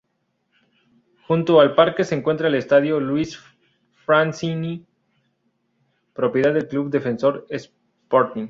Junto al parque se encuentra el Estadio Luis Franzini, propiedad del club Defensor Sporting.